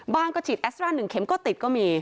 ก็ฉีดแอสตรา๑เข็มก็ติดก็มี